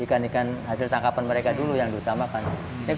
ikan ikan hasil tangkapan mereka dulu yang diutamakan